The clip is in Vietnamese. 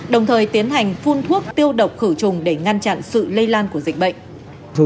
đồng thời tiến hành phun thuốc tiêu độc khử trùng để ngăn chặn sự lây lan của dịch bệnh